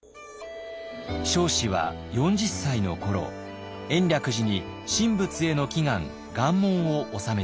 彰子は４０歳の頃延暦寺に神仏への祈願願文を納めています。